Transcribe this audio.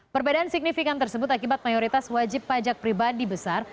perbedaan signifikan tersebut akibat mayoritas wajib pajak pribadi besar